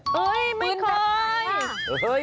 เฮ้ยไม่เคย